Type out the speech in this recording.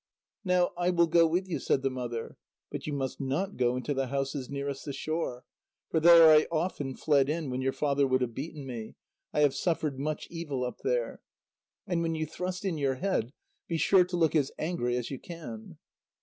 "Now I will go with you," said the mother. "But you must not go into the houses nearest the shore, for there I often fled in when your father would have beaten me; I have suffered much evil up there. And when you thrust in your head, be sure to look as angry as you can."